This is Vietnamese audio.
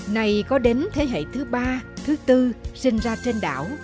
nay có đến thế hệ thứ ba thứ tư sinh ra trên